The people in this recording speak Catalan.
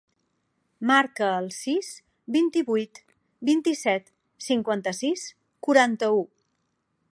Marca el sis, vint-i-vuit, vint-i-set, cinquanta-sis, quaranta-u.